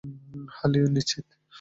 হ্যাঁ, নিশ্চিত।